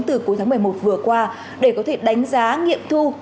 từ cuối tháng một mươi một vừa qua để có thể đánh giá nghiệm thu